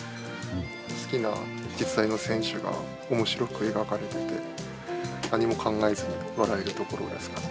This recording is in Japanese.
好きな実際の選手がおもしろく描かれてて、何も考えずに笑えるところですかね。